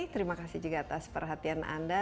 terima kasih juga atas perhatian anda